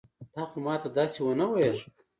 تا خو ما ته داسې ونه ويل.